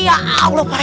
ya allah parete